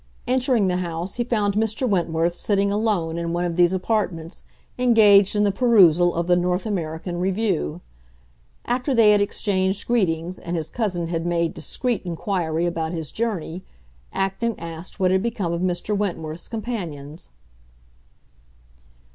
Entering the house, he found Mr. Wentworth sitting alone in one of these apartments, engaged in the perusal of the North American Review. After they had exchanged greetings and his cousin had made discreet inquiry about his journey, Acton asked what had become of Mr. Wentworth's companions.